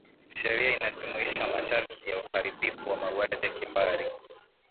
sheria inajumuisha masharti ya uharibifu wa mauaji ya kimbari